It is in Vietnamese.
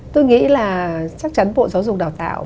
tôi nghĩ là chắc chắn bộ giáo dục đào tạo